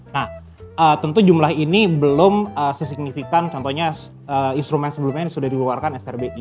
nah tentu jumlah ini belum sesignifikan contohnya instrumen sebelumnya sudah dikeluarkan srbi